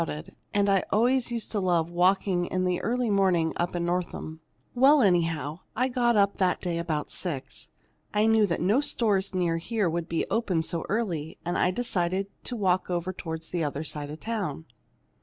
And I always used to love walking in the early morning, up in Northam. "Well, anyhow, I got up that day about six. I knew that no stores near here would be open so early, and I decided to walk over toward the other side of town.